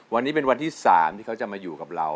วันนี้เป็นวันที่๓ที่เขาจะมาอยู่กับเรา